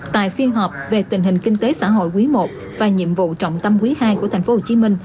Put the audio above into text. tại phiên họp về tình hình kinh tế xã hội quý i và nhiệm vụ trọng tâm quý ii của tp hcm